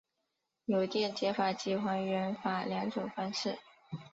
有电解法及还原法两种方式。